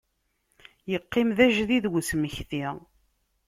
Yeqqim d ajedid usmekti.